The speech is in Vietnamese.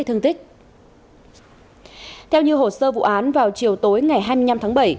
theo như hồ sơ vụ án vào chiều tối ngày hai mươi năm tháng bảy